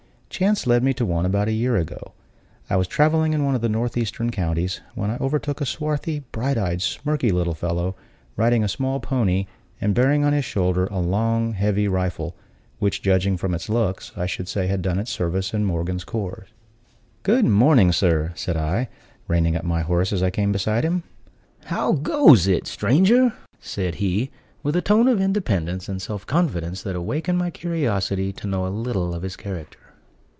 Chance led me to one about a year ago. I was traveling in one of the northeastern counties, when I overtook a swarthy, bright eyed, smirky little fellow, riding a small pony, and bearing on his shoulder a long, heavy rifle, which, judging from its looks, I should say had done service in Morgan's corps. "Good morning, sir!" said I, reining up my horse as I came beside him. "How goes it, stranger?" said he, with a tone of independence and self confidence that awakened my curiosity to know a little of his character.